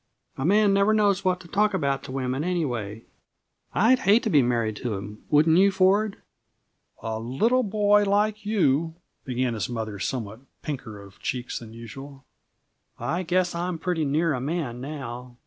"A man never knows what to talk about to women, anyway. I'd hate to be married to 'em wouldn't you, Ford?" "A little boy like you " began his mother, somewhat pinker of cheeks than usual. "I guess I'm pretty near a man, now."